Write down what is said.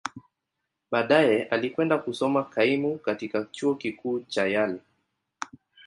Baadaye, alikwenda kusoma kaimu katika Chuo Kikuu cha Yale.